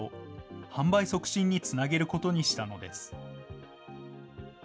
販売促進につなげることにしたのです。